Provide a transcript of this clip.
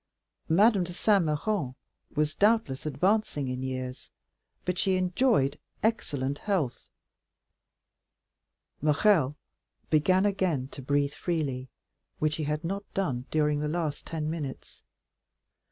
"Madame de Saint Méran was, doubtless, advancing in years, but she enjoyed excellent health." Morrel began again to breathe freely, which he had not done during the last ten minutes.